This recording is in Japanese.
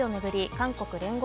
韓国・聯合